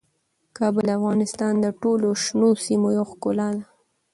کابل د افغانستان د ټولو شنو سیمو یوه ښکلا ده.